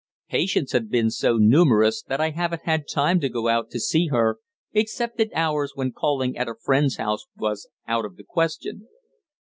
"Patients have been so numerous that I haven't had time to go out to see her, except at hours when calling at a friend's house was out of the question."